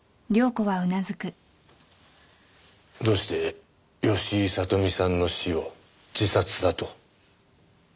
どうして吉井聡美さんの死を自殺だと？